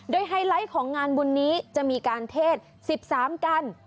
ไฮไลท์ของงานบุญนี้จะมีการเทศ๑๓กัน